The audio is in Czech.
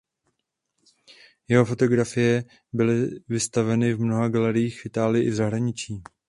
Jeho fotografie byly vystaveny v mnoha galeriích v Itálii i v zahraničí.